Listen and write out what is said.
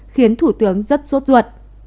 khiến thủ tướng rất suốt ruột